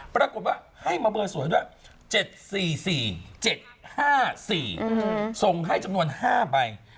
ปรากฏว่าให้มาเบอร์สวยด้วย๗๔๔๗๕๔ส่งให้จำนวน๕ใบ